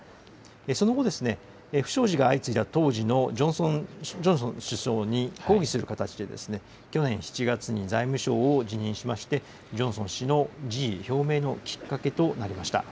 その後、不祥事が相次いだ当時のジョンソン首相に抗議する形で、去年７月に財務相を辞任しまして、ジョンソン氏の辞意表明のきっかけとなりました。